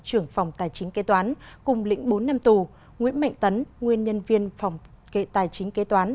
trưởng phòng tài chính kế toán cùng lĩnh bốn năm tù nguyễn mạnh tấn nguyên nhân viên phòng tài chính kế toán